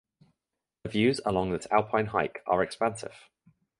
The views along this alpine hike are expansive.